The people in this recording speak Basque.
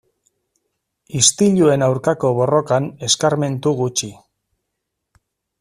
Istiluen aurkako borrokan eskarmentu gutxi.